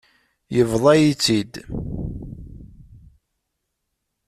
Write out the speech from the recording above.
Yebḍa-yi-tt-id.